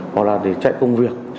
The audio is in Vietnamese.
hoặc là để chạy công việc